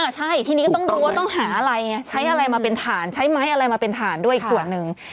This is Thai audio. ใช่ทีนี้ก็ต้องดูว่าต้องหาอะไรไงใช้อะไรมาเป็นฐานใช้ไม้อะไรมาเป็นฐานด้วยอีกส่วนหนึ่ง